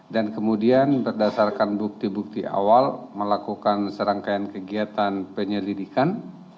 dan kemudian berdasarkan bukti bukti awal melakukan serangkaian kegiatan penyelidikan